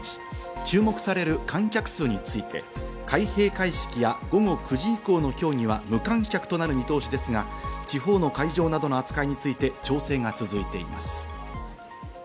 注目される観客数について開閉会式や午後９時以降の競技は無観客となる見通しですが、地方の会場などの扱いについて調整が続いています。